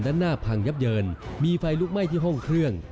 ด้านหน้าพังยับเยินมีไฟลุกไหม้ที่ห้องเครื่อง